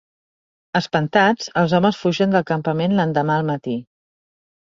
Espantats, els homes fugen del campament l'endemà al matí.